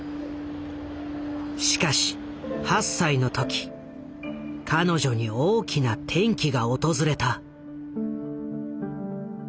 しかし８歳の時彼女に大きな転機が訪れた。